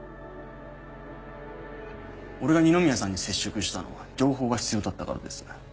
俺が二宮さんに接触したのは情報が必要だったからです。